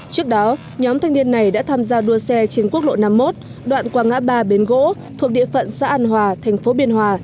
trước đó nhóm thanh niên này đã tham gia đua xe trên quốc lộ năm mươi một đoạn qua ngã ba bến gỗ thuộc địa phận xã an hòa thành phố biên hòa